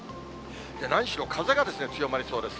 何しろ風が強まりそうです。